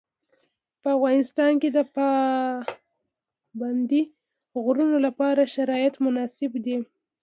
په افغانستان کې د پابندي غرونو لپاره شرایط مناسب دي.